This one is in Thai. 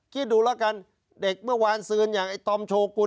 คิดดูแล้วกันเด็กเมื่อวานซืนอย่างไอ้ตอมโชกุล